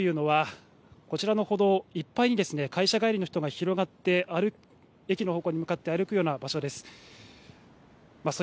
事件のあった午後６時過ぎというのは、こちらの歩道いっぱいに会社帰りの人が広がって、駅の方向に向かって歩くような場所です。